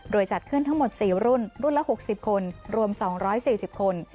โดยจัดขึ้นทั้งหมดสี่รุ่นรุ่นละหกสิบคนรวมสองร้อยสี่สิบคน